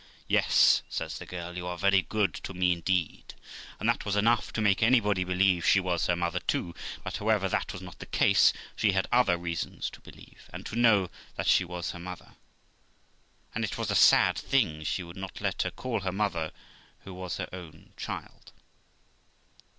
'Yes', says the girl, 'you are very good to me indeed'; and that was enough to make anybody believe she was her mother too; but, however, that was not the case, she had other reasons to believe, and to know, that she was her mother ; and it was a sad thing she would not let her call her mother, who was her own child.